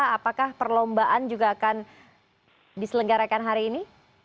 apakah perlombaan juga akan diselenggarakan hari ini